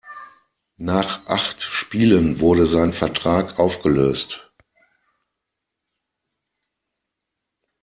Nach acht Spielen wurde sein Vertrag aufgelöst.